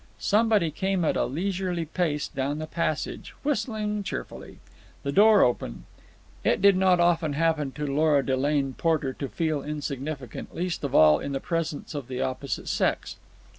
Somebody came at a leisurely pace down the passage, whistling cheerfully. The door opened. It did not often happen to Lora Delane Porter to feel insignificant, least of all in the presence of the opposite sex.